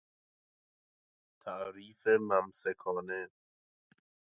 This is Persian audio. تعریف ممسکانه